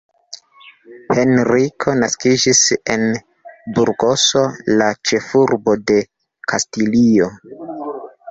Henriko naskiĝis en Burgoso, la ĉefurbo de Kastilio.